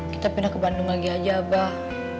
kita pindah ke bandung lagi aja bah